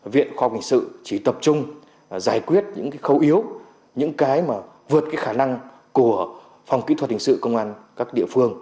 viện khoa học hình sự chỉ tập trung giải quyết những khâu yếu những cái mà vượt cái khả năng của phòng kỹ thuật hình sự công an các địa phương